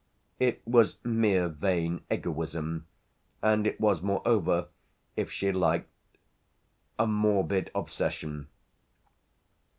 It was mere vain egoism, and it was moreover, if she liked, a morbid obsession.